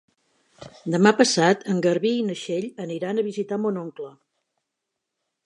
Demà passat en Garbí i na Txell aniran a visitar mon oncle.